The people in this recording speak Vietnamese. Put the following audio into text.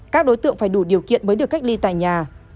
các đối tượng phải đủ điều kiện mới được cách ly tại nhà